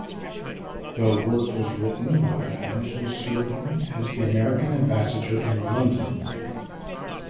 The work was written while Adams was serving as the American ambassador in London.